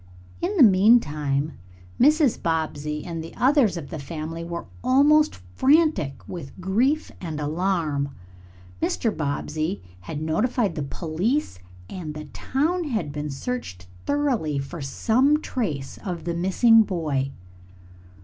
In the meantime Mrs. Bobbsey and the others of the family were almost frantic with grief and alarm. Mr. Bobbsey had notified the police and the town had been searched thoroughly for some trace of the missing boy.